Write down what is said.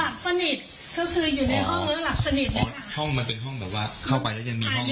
สนิทก็คืออยู่ในห้องแล้วหลับสนิทไงห้องมันเป็นห้องแบบว่าเข้าไปแล้วยังมีห้อง